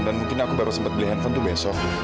dan mungkin aku baru sempet beli handphone tuh besok